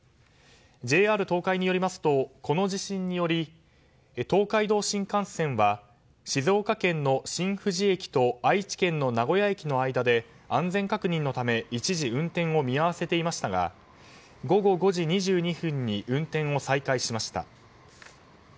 ＪＲ東海によりますとこの地震により東海道新幹線は静岡県の新富士駅と愛知県の名古屋駅の間で安全確認のため一時運転を見合わせていましたが午後５時２２分に運転を再開しました。